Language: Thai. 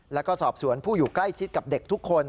แล้วก็สอบสวนผู้อยู่ใกล้ชิดกับเด็กทุกคน